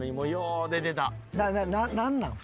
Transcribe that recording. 何なん？